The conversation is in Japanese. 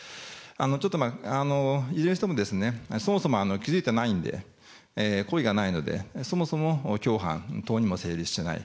ちょっと、いずれにしても、そもそも気付いてないんで、故意がないので、そもそも共犯等にも成立しない。